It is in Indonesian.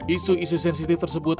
isu isu sensitif tersebut